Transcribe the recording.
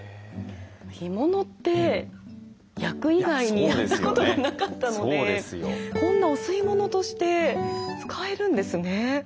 干物って焼く以外にやったことがなかったのでこんなお吸い物として使えるんですね。